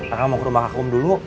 aku mau ke rumah kak um dulu